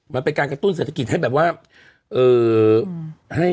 มันเป็นการกระตุ้นเศรษฐกิจให้แบบว่า